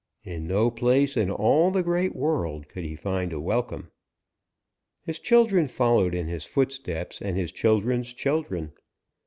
In no place in all the Great World could he find a welcome. "His children followed in his footsteps, and his children's children.